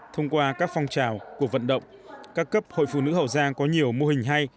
thông qua các phong trào cuộc vận động các cấp hội phụ nữ hậu giang có nhiều mô hình hay